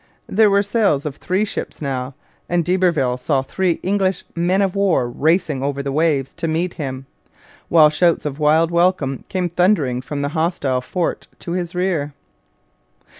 There were sails of three ships now, and d'Iberville saw three English men of war racing over the waves to meet him, while shouts of wild welcome came thundering from the hostile fort to his rear.